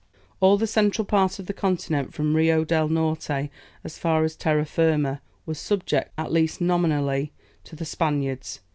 All the central part of the continent, from Rio del Norte, as far as Terra Firma, was subject, at least nominally, to the Spaniards.